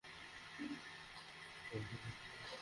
এখন আমাকে সবকিছু আবার নতুনভাবে শুরু করতে হবে।